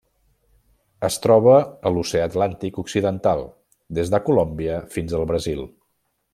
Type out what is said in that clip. Es troba a l'Oceà Atlàntic occidental: des de Colòmbia fins al Brasil.